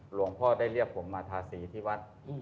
หลวงพ่อได้เรียกผมมาทาสีที่วัด